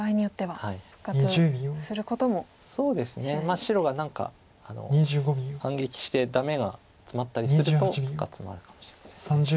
白が何か反撃してダメがツマったりすると復活もあるかもしれません。